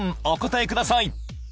お答えください